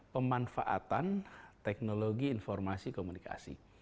pemanfaatan teknologi informasi komunikasi